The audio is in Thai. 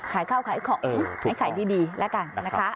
ขายข้าวขายของไอ้ไข่ดีและกัน